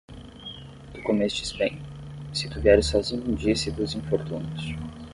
Tu comestes 'bem? se tu vieres sozinho disse dos infortúnios